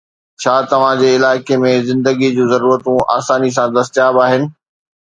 ڇا توهان جي علائقي ۾ زندگي جون ضرورتون آساني سان دستياب آهن؟